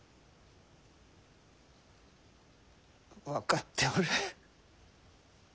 分かっておる。